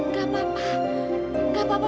udah nggak apa apa